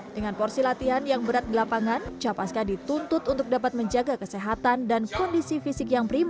dengan porsi latihan yang berat di lapangan capaska dituntut untuk dapat menjaga kesehatan dan kondisi fisik yang prima